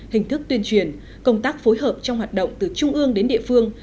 hình thức tuyên truyền công tác phối hợp trong hoạt động từ trung ương đến địa phương